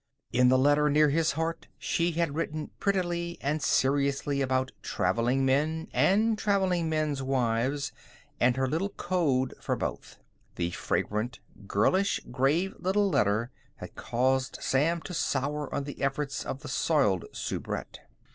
In the letter near his heart she had written prettily and seriously about traveling men, and traveling men's wives, and her little code for both. The fragrant, girlish, grave little letter had caused Sam to sour on the efforts of the soiled soubrette.